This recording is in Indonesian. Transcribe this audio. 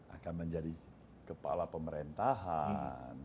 akan menjadi kepala pemerintahan